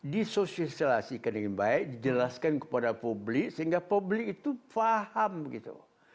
di sosialisasi kena ingin baik dijelaskan kepada publik sehingga publik itu paham gitu